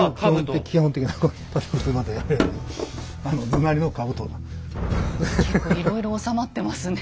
基本的な結構いろいろ納まってますね。